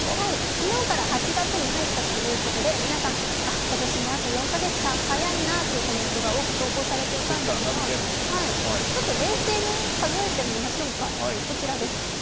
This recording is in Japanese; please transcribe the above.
昨日から８月に入ったということで、皆さん、今年もあと４か月か、早いなというコメントが多く投稿されていたんですが、ちょっと冷静に数えてみましょうか。